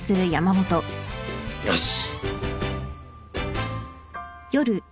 よし。